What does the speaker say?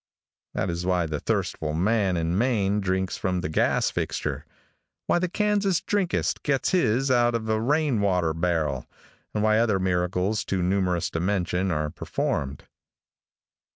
That is why the thirstful man in Maine drinks from the gas fixture; why the Kansas drinkist gets his out of a rain water barrel, and why other miracles too numerous to mention are performed.